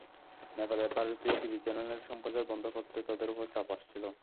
নেপালে ভারতীয় টিভি চ্যানেলের সম্প্রচার বন্ধ করতে তাদের ওপর চাপ আসছিল।